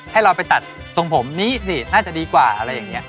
ให้เราไปตัดทรงผมนี่น่าจะดีกว่าอะไรอย่างนี้